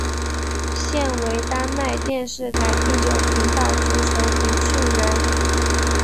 现为丹麦电视台第九频道足球评述员。